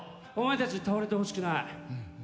お前たちに倒れてほしくない。